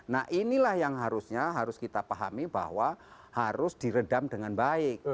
nah inilah yang harusnya harus kita pahami bahwa harus diredam dengan baik